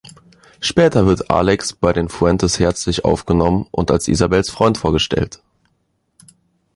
Später wird Alex bei den Fuentes herzlich aufgenommen und als Isabels Freund vorgestellt.